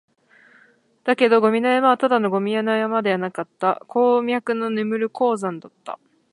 だけど、ゴミの山はただのゴミ山ではなかった、鉱脈の眠る鉱山だった